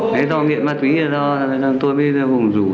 cụ thể là cắt đồng viễn thông